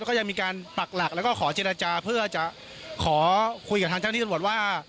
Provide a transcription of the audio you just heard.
แล้วก็ยังมีการปักหลักแล้วก็ขอเจรจาเพื่อจะขอคุยกับทางเจ้าที่ตำรวจว่า